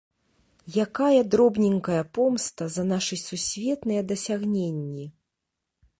Якая дробненькая помста за нашы сусветныя дасягненні!